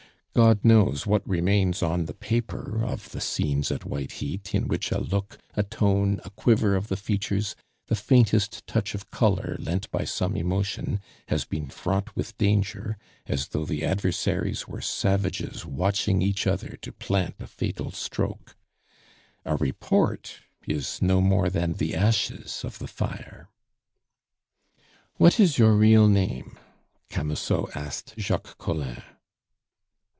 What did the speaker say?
God knows what remains on the paper of the scenes at white heat in which a look, a tone, a quiver of the features, the faintest touch of color lent by some emotion, has been fraught with danger, as though the adversaries were savages watching each other to plant a fatal stroke. A report is no more than the ashes of the fire. "What is your real name?" Camusot asked Jacques Collin.